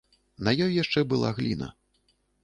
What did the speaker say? На ёй яшчэ была гліна.